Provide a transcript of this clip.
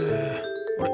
あれ？